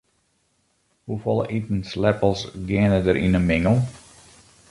Hoefolle itensleppels geane der yn in mingel?